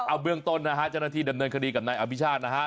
เอาเบื้องต้นนะฮะเจ้าหน้าที่ดำเนินคดีกับนายอภิชาตินะฮะ